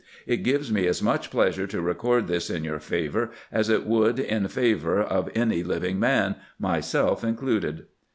It gives me as much pleasure to record this in your favor as it would in favor of any living man, myself included."